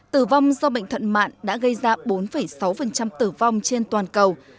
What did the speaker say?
tử vong do bệnh thận mạng đã gây ra bốn sáu tử vong trên toàn cầu